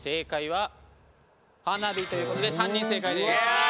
「はなび」ということで３人正解です。